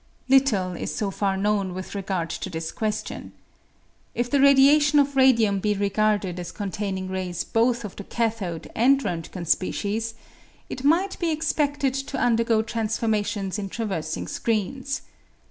Little is so far known with regard to this question. If the radiation of radium be regarded as containing rays both of the cathode and Rontgen species, it might be expeded to undergo transformations in traversing screens.